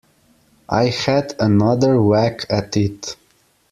I had another whack at it.